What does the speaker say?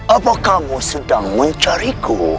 apa kamu sedang mencariku